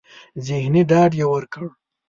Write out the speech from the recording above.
ذهني ډاډ يې ورکړ.